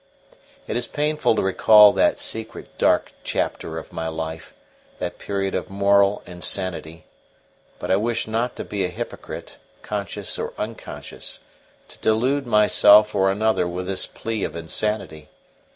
It is painful to recall that secret dark chapter of my life that period of moral insanity. But I wish not to be a hypocrite, conscious or unconscious, to delude myself or another with this plea of insanity.